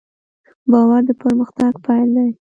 باور د پرمختګ پیل دی.